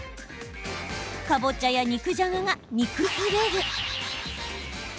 かぼちゃや肉じゃがが煮崩れる。